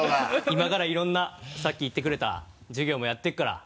今からいろんなさっき言ってくれた授業もやっていくから。